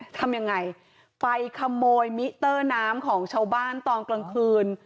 ทำยังไงไปขโมยมิเตอร์น้ำของชาวบ้านตอนกลางคืน